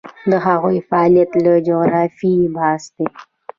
د هغوی د فعالیت د جغرافیې بحث دی.